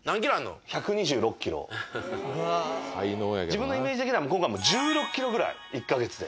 自分のイメージ的には１６ｋｇぐらい１カ月で。